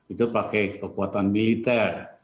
itu pakai kekuatan militer